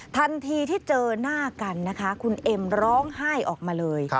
ทันทีที่เจอหน้ากันนะคะคุณเอ็มร้องไห้ออกมาเลย